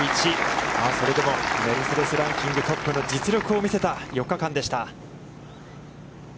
それでも、メルセデス・ランキングトップの実力を見せた４日間でした。